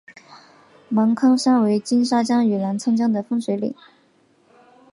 芒康山为金沙江与澜沧江的分水岭。